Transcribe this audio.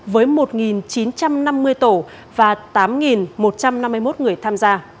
với một chín trăm năm mươi tổ và tám một trăm năm mươi một người tham gia